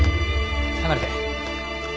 離れて。